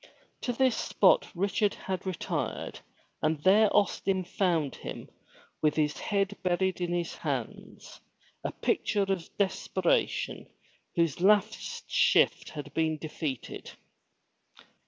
To this spot Richard had re tired and there Austin found him with his head buried in his hands, a picture of desperation whose last shift has been defeated.